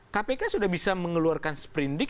kpk sudah bisa mengeluarkan sprint dig